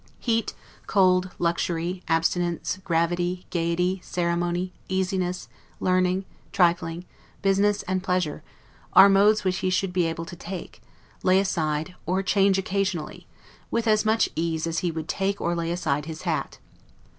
Heat, cold, luxury, abstinence, gravity, gayety, ceremony, easiness, learning, trifling, business, and pleasure, are modes which he should be able to take, lay aside, or change occasionally, with as much ease as he would take or lay aside his hat.